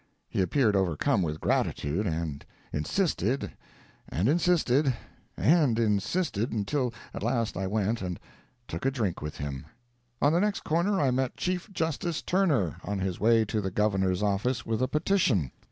He appeared overcome with gratitude, and insisted, and insisted, and insisted, until at last I went and took a drink with him. On the next corner I met Chief Justice Turner, on his way to the Governor's office with a petition.